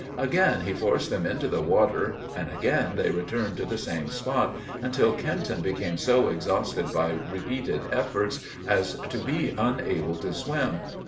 Again he forced them into the water, and again they returned to the same spot, until Kenton became so exhausted by repeated efforts, as to be unable to swim.